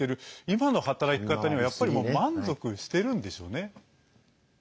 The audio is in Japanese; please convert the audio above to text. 今の働き方には、やっぱり満足してるんでしょうね。